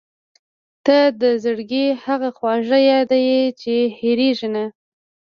• ته د زړګي هغه خواږه یاد یې چې هېرېږي نه.